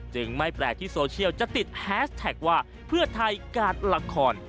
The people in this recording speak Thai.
ไม่แปลกที่โซเชียลจะติดแฮสแท็กว่าเพื่อไทยกาดละคร